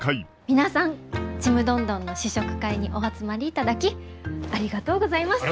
皆さんちむどんどんの試食会にお集まりいただきありがとうございます。